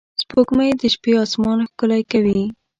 سپوږمۍ د شپې آسمان ښکلی کوي